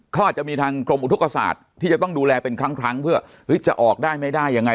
เขาอาจจะมีทางกรมอุทธกศาสตร์ที่จะต้องดูแลเป็นครั้งเพื่อจะออกได้ไม่ได้ยังไง